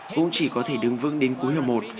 cũng chỉ có thể đứng vững đến cuối hiệp một